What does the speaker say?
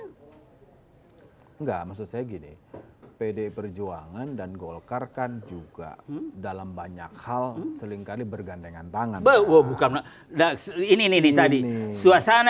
hai enggak maksud saya gini pd perjuangan dan golkar kan juga dalam banyak hal selingkali bergandengan